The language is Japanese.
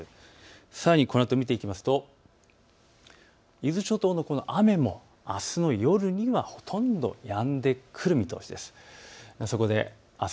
さらにこのあとを見ていきますと伊豆諸島の雨もあすの夜にはほとんどやんでくる見通しです。